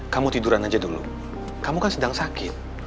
kamu tiduran aja dulu kamu kan sedang sakit